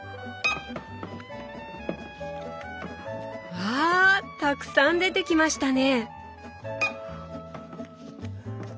わたくさん出てきましたね！